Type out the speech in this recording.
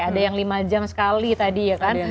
ada yang lima jam sekali tadi ya kan